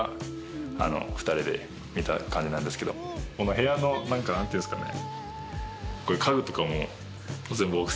部屋のなんていうんですかね。